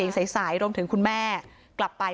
ลงถึงคุณแม่กลับไป